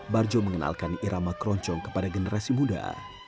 barjo mengenalkan irama keroncong kepada generasi muda